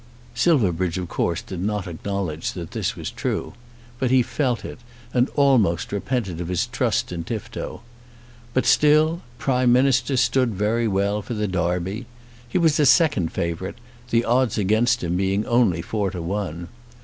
Silverbridge of course did not acknowledge that this was true. But he felt it, and almost repented of his trust in Tifto. But still Prime Minister stood very well for the Derby. He was second favourite, the odds against him being only four to one.